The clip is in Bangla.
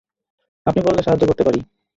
আপনি বললে সাহায্য করতে পারি।